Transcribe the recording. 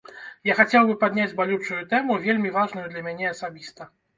Я хацеў бы падняць балючую тэму, вельмі важную для мяне асабіста.